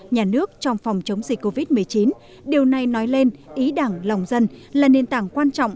nhà nước trong phòng chống dịch covid một mươi chín điều này nói lên ý đảng lòng dân là nền tảng quan trọng